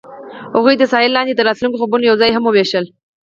هغوی د ساحل لاندې د راتلونکي خوبونه یوځای هم وویشل.